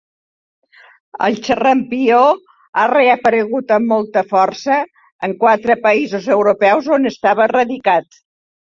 El xarampió ha reaparegut amb molta força en quatre països europeus on estava erradicat.